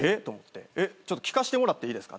ちょっと聞かしてもらっていいですか？